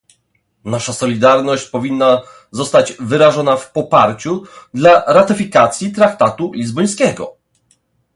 Nasza solidarność powinna zostać wyrażona w poparciu dla ratyfikacji traktatu lizbońskiego